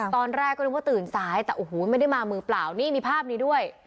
ตอนแรกก็นึกว่าตื่นซ้ายแต่โอ้โหไม่ได้มามือเปล่านี่มีภาพนี้ด้วย